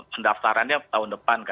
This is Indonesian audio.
pendaftarannya tahun depan kan